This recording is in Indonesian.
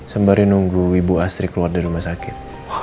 sembari nunggu ibu asri keluar dari rumah sakit